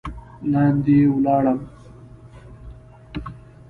لاندې ولاړم.